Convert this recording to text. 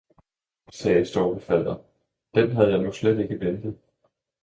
« sagde Storkefader, »den havde jeg nu slet ikke ventet!